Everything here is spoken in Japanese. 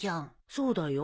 そうだよ。